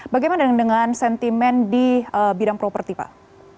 bagaimana dengan sentimen di bidang properti pak